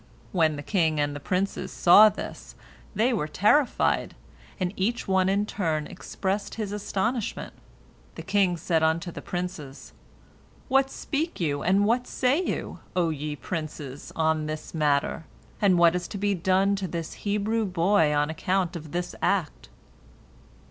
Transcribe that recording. When the king and the princes saw this, they were terrified, and each one in turn expressed his astonishment. The king said unto the princes, "What speak you, and what say you, O ye princes, on this matter, and what is to be done to this Hebrew boy on account of this act?"